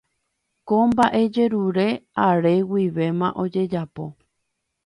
Ko mbaʼejerure are guivéma ojejapo.